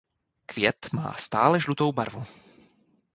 Květ má světle žlutou barvu.